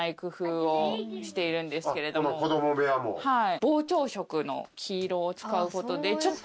膨張色の黄色を使うことでちょっと。